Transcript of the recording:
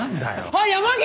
あっ山岸！